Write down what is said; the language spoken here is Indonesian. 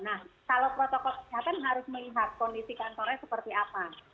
nah kalau protokol kesehatan harus melihat kondisi kantornya seperti apa